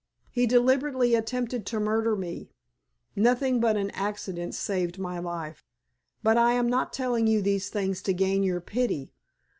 He deliberately attempted to murder me. Nothing but an accident saved my life. But I am not telling you these things to gain your pity.